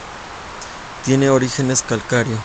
Tienen origen calcáreo.